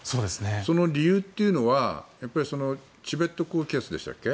その理由というのはチベット高気圧でしたっけ